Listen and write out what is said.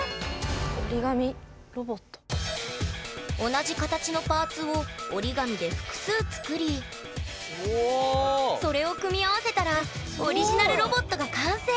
同じ形のパーツを折り紙で複数作りそれを組み合わせたらオリジナルロボットが完成！